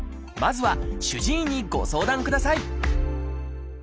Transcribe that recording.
まずは主治医にご相談ください